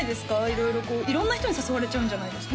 色々こう色んな人に誘われちゃうんじゃないですか？